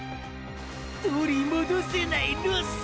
取り戻せないロス！！